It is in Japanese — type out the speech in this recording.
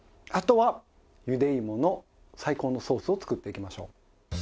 あとはゆでいもの最高のソースを作っていきましょう。